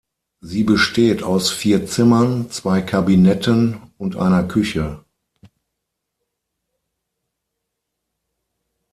Sie besteht aus vier Zimmern, zwei Kabinetten und einer Küche.